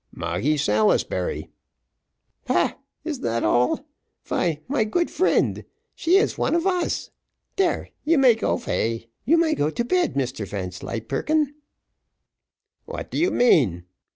"Moggy Salisbury." "Paah! is dat all? vy, my good friend, she is one of us. Dere, you may go vay you may go to bed, Mr Vanslyperken." "What do you mean?"